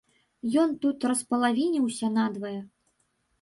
Ён тут распалавініўся надвае.